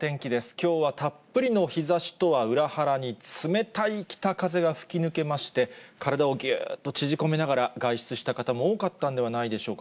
きょうはたっぷりの日ざしとは裏腹に冷たい北風が吹き抜けまして、体をぎゅーっとちぢこめながら、外出した方も多かったんではないでしょうか。